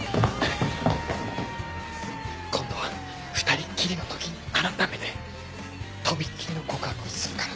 今度は２人っきりの時に改めてとびっきりの告白をするから。